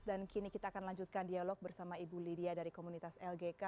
dan kini kita akan lanjutkan dialog bersama ibu lydia dari komunitas lgk